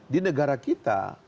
di negara kita